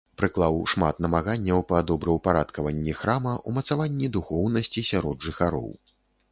Прыклаў шмат намаганняў па добраўпарадкаванні храма, умацаванні духоўнасці сярод жыхароў.